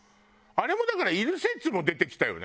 あれもだからいる説も出てきたよね。